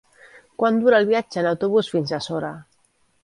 Quant dura el viatge en autobús fins a Sora?